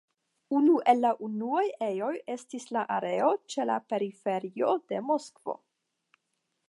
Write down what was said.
Unu el la unuaj ejoj estis la areo ĉe la periferio de Moskvo.